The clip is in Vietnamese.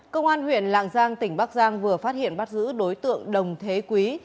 công an huyện lạng giang tỉnh bắc giang vừa phát hiện bắt giữ đối tượng đồng thế quý